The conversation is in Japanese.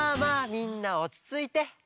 みんなおちついて！